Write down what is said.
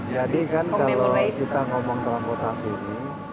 jadi kan kalau kita ngomong transportasi ini